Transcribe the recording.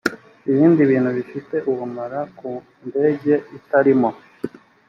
ibindi bintu bifite ubumara ku ndege itarimo